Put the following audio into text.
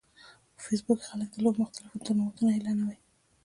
په فېسبوک کې خلک د لوبو مختلف ټورنمنټونه اعلانوي